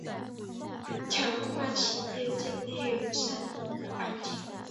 强化企业建立友善职场环境